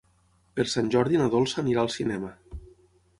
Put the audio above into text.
Per Sant Jordi na Dolça anirà al cinema.